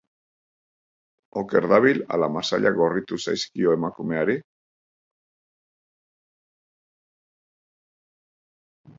Oker dabil ala masailak gorritu zaizkio emakumeari?